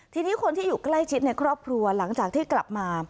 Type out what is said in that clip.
ทีนี้คนที่อยู่ใกล้ชิดในครอบครัวหลังจากที่กลับมา